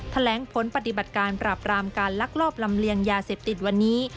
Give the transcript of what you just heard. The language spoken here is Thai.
แถลงผลปฏิบัติการปราบรามการลักลอบลำเลียงยาเสพติดวันนี้